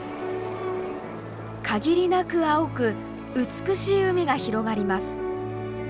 限りなく青く美しい海が広がります。